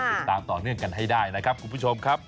ติดตามต่อเนื่องกันให้ได้นะครับคุณผู้ชมครับ